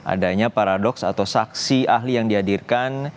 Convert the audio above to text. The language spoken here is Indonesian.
adanya paradoks atau saksi ahli yang dihadirkan